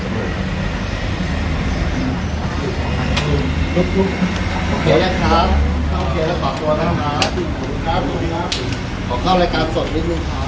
โปรดติดตามตอนต่อไป